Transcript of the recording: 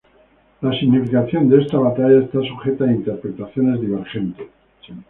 La significación de esta batalla está sujeta a interpretaciones divergentes.